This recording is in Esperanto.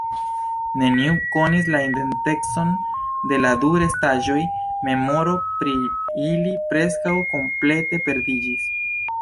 Neniu konis la identecon de la du restaĵoj, memoro pri ili preskaŭ komplete perdiĝis.